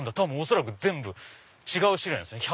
恐らく全部違う種類なんですよ。